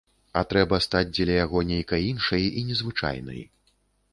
А трэба стаць дзеля яго нейкай іншай і незвычайнай.